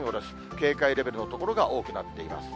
警戒レベルの所が多くなっています。